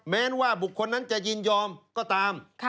แม้ว่าบุคคลนั้นจะยินยอมก็ตาม